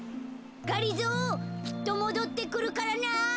がりぞーきっともどってくるからな。